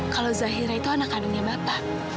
kalau zahira itu anak kandungnya bapak